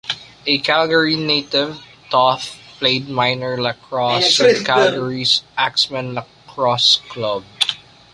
A Calgary native, Toth played minor lacrosse with Calgary's Axemen Lacrosse Club.